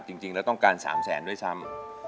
จริงแล้วต้องการ๓แสนด้วยซ้ำ